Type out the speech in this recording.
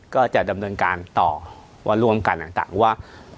ก็จะดำเนินการต่อว่าร่วมกันต่างว่า